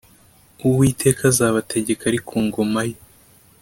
uwiteka azabategeka ari ku ngoma ye.